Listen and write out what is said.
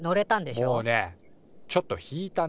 もうねちょっと引いたね。